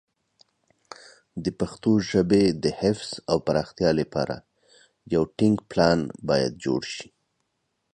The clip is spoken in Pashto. د پښتو ژبې د حفظ او پراختیا لپاره یو ټینګ پلان باید جوړ شي.